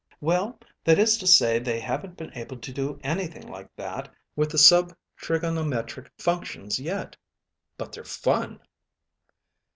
"Well, that is to say they haven't been able to do anything like that with the sub trigonometric functions yet. But they're fun."